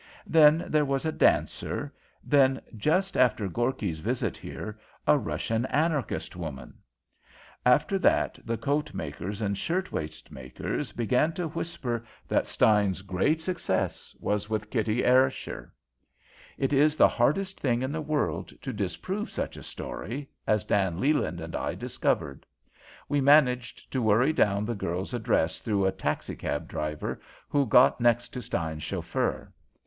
Then there was a dancer; then, just after Gorky's visit here, a Russian anarchist woman. After that the coat makers and shirtwaist makers began to whisper that Stein's great success was with Kitty Ayrshire. "It is the hardest thing in the world to disprove such a story, as Dan Leland and I discovered. We managed to worry down the girl's address through a taxi cab driver who got next to Stein's chauffeur.